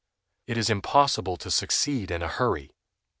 It is impossible to succeed in a hurry.